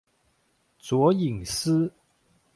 卓颖思。